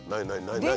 何？